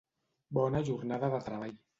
Bona jornada de treball.